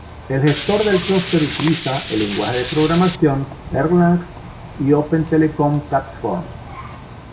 El gestor de clúster utiliza el lenguaje de programación Erlang y Open Telecom Platform.